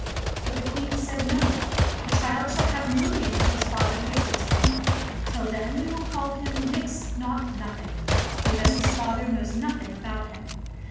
But the Queen said, "No! The child shall have no name till his father gives it to him. Till then we will call him *Nix ! Naught ! Nothing !' because his father knows nothing about him!"